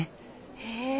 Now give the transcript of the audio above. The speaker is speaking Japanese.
へえ